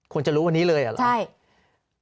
ควรจะรู้วันนี้เลยเหรอ